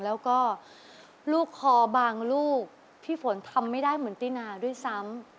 แล้วก็ลูกคอบางลูกพี่ฝนทำไม่ได้เหมือนตินาด้วยซ้ำ